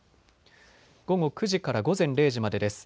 午後９時から午前０時までです。